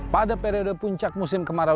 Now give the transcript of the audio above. pada periode puncak musim kemarau